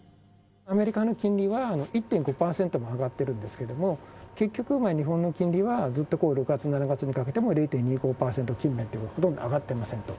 アメリカの金利は１．５％も上がってるんですけれども、結局、日本の金利はずっと６月、７月にかけても０．２５％近辺っていうことで、ほとんど上がってませんと。